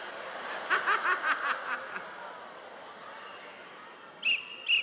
ハハハハハハッ！